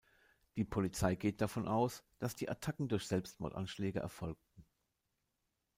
Die Polizei geht davon aus an, dass die Attacken durch Selbstmordanschläge erfolgten.